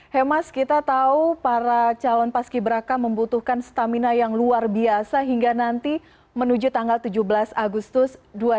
hemas kita tahu para calon paski beraka membutuhkan stamina yang luar biasa hingga nanti menuju tanggal tujuh belas agustus dua ribu dua puluh